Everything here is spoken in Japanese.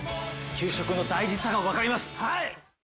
給食の大事さが分かります。